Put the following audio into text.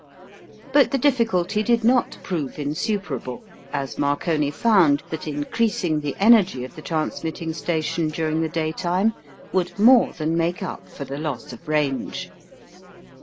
But the difficulty did not prove insuperable, as Marconi found that increasing the energy of the transmitting station during the daytime would more than make up for the loss of range.